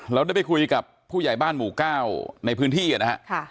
เราได้ไปคุยกับผู้ใหญ่บ้านหมู่๙ในพื้นที่นะฮะ